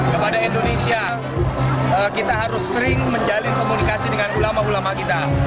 kepada indonesia kita harus sering menjalin komunikasi dengan ulama ulama kita